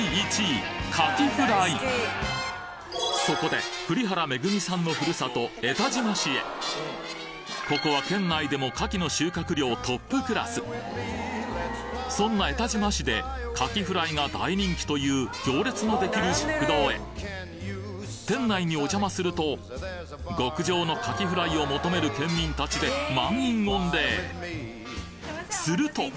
そこで栗原恵さんの故郷江田島市へここは県内でも牡蠣の収穫量トップクラスそんな江田島市で牡蠣フライが大人気という行列のできる食堂へ店内にお邪魔すると極上の牡蠣フライを求める県民たちで満員御礼すると！